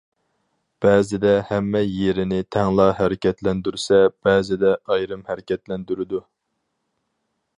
بەزىدە ھەممە يېرىنى تەڭلا ھەرىكەتلەندۈرسە، بەزىدە ئايرىم ھەرىكەتلەندۈرىدۇ.